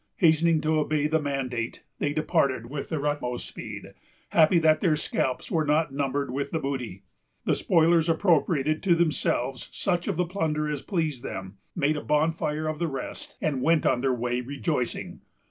Hastening to obey the mandate, they departed with their utmost speed, happy that their scalps were not numbered with the booty. The spoilers appropriated to themselves such of the plunder as pleased them, made a bonfire of the rest, and went on their way rejoicing.